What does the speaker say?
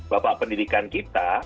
bapak pendidikan kita